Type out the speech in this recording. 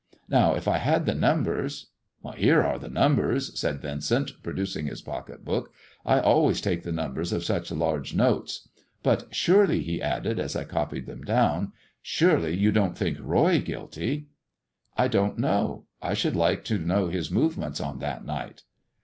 Now, if I had the numbers " "Here are the numbers," said Yincent, producing his pocket book. " I always take the numbers of such large notes. But surely," he added, as I copied them down —" surely you don't think Boy guilty ]"" I don't know. I should like to know his movements on that night."